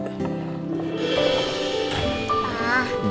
beberapa hari ya